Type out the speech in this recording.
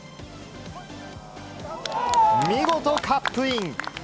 見事、カップイン。